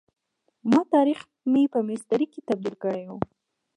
ما تاریخ مې په میسترې کي تبد یل کړی وو.